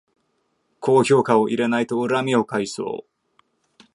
高評価を入れないと恨みを買いそう